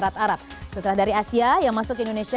ini adalah modal investasi yang akan dimasukkan ke indonesia